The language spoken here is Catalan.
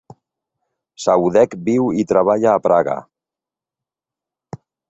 Saudek viu i treballa a Praga.